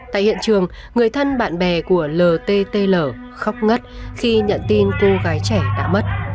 tại hiện trường người thân bạn bè của ltl khóc ngất khi nhận tin cô gái trẻ đã mất